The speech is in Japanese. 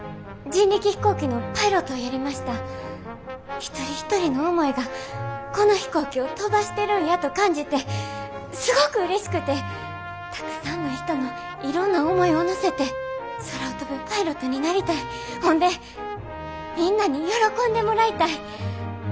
一人一人の思いがこの飛行機を飛ばしてるんやと感じてすごくうれしくてたくさんの人のいろんな思いを乗せて空を飛ぶパイロットになりたいほんでみんなに喜んでもらいたい。